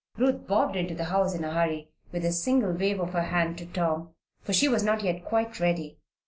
Ruth bobbed into the house in a hurry, with a single wave of her hand to Tom, for she was not yet quite ready.